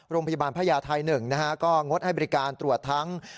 โรงพยาบาลพญาไทย๑นะฮะก็งดให้บริการตรวจทั้ง